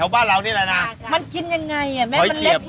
ป้องดองโอ้โห